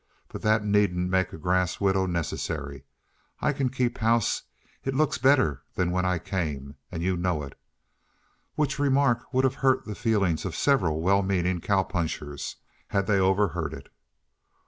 But that needn't make a grass widow necessary. I can keep house it looks better than when I came, and you know it." Which remark would have hurt the feelings of several well meaning cow punchers, had they overheard it.